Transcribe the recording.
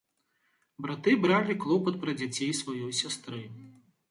Браты бралі клопат пра дзяцей сваёй сястры.